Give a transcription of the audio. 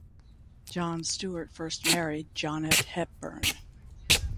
John Stewart first married Jonet Hepburn.